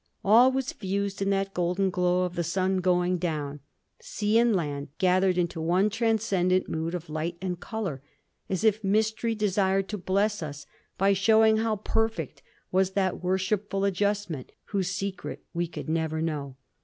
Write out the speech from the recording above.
All was fused in that golden glow of the sun going down sea and land gathered into one transcendent mood of light and colour, as if Mystery desired to bless us by showing how perfect was that worshipful adjustment, whose secret we could never know.